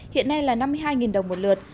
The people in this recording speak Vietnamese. hiện nay là năm mươi hai đồng một lửa